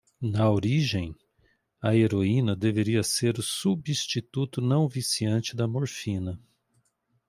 Na origem?, a heroína deveria ser o “substituto não-viciante da morfina”.